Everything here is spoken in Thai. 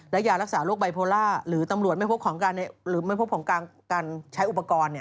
และยารักษาโรคไบโพลาร์หรือตำรวจแม่พวกของการใช้อุปกรณ์